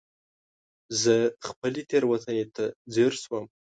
زه خپلې تېروتنې ته ځير شوم.